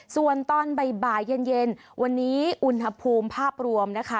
ส่วนตอนบ่ายเย็นวันนี้อุณหภูมิภาพรวมนะคะ